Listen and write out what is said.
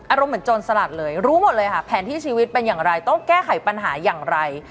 อารมณ์เหมือนโจรสลัดเลยรู้หมดเลยค่ะแผนที่ชีวิตเป็นอย่างไรต้องแก้ไขปัญหาอย่างไร